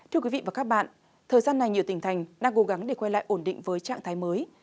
thưa quý vị và các bạn thời gian này nhiều tỉnh thành đang cố gắng để quay lại ổn định với trạng thái mới